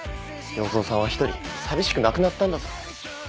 要造さんは一人寂しく亡くなったんだぞ。